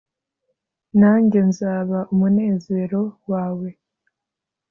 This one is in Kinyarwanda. nange nzaba umunezero wawe,